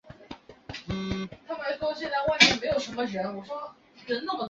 鲁多夫卡市镇是俄罗斯联邦伊尔库茨克州日加洛沃区所属的一个市镇。